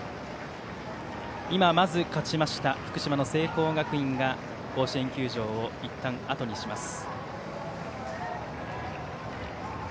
今、まず勝ちました福島の聖光学院が甲子園球場をいったんあとにします。